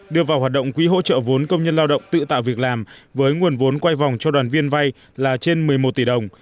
đưa vào hoạt động quỹ hỗ trợ vốn công nhân lao động tự tạo việc làm với nguồn vốn quay vòng cho đoàn viên vay là trên một mươi một tỷ đồng